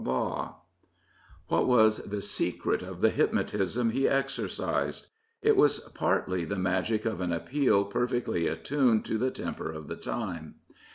Yah! Bahl What was the secret of the hypnotism he exercised? It was partly the magic of an appeal perfectly attuned 326 Rudyard Kipling to the temper of the time.